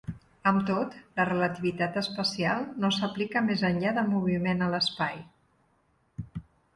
Amb tot, la relativitat especial no s"aplica més enllà del moviment a l"espai.